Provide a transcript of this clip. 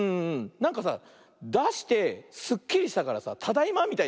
なんかさだしてすっきりしたからさ「ただいま」みたいな。